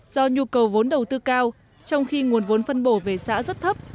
do nhu cầu vốn đầu tư cao trong khi nguồn vốn phân bổ về xã rất thấp